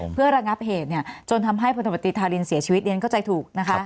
เพื่อระงับเหตุจนทำให้พลตมตรีธารินเสียชีวิตเรียนเข้าใจถูกนะคะ